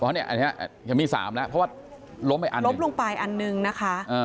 อ๋อเนี่ยอันนี้ฮะยังมีสามละเพราะว่าล้มไปอันหนึ่งล้มลงไปอันหนึ่งนะคะ